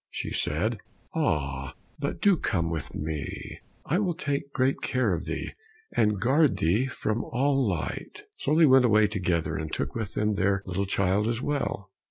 She said, "Ah, but do come with me, I will take great care of thee, and guard thee from all light." So they went away together, and took with them their little child as well.